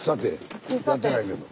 やってないけど。